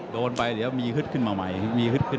โดนไปเดี๋ยวมีฮึดขึ้นมาใหม่